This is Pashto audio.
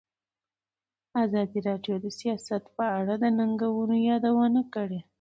ازادي راډیو د سیاست په اړه د ننګونو یادونه کړې.